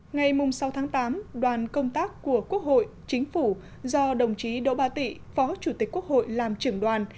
ngày sáu tháng tám đoàn công tác của quốc hội chính phủ do đồng chí đỗ ba tị phó chủ tịch quốc hội làm trưởng đoàn